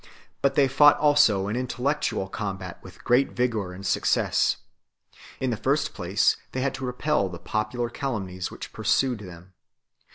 But they fought also an intellectual combat with great vigour and success. In the first place, they had to repel the popular calumnies which pursued them.